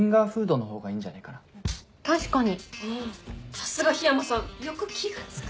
さすが緋山さんよく気が付く。